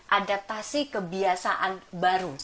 adaptasi kebiasaan baru jawa barat